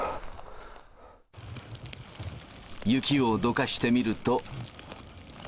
雪をどかしてみると。